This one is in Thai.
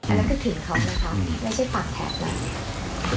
อันนั้นคือถึงเขานะครับไม่ใช่ฝั่งแถบนั้น